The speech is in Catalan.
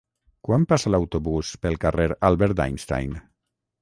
Quan passa l'autobús pel carrer Albert Einstein?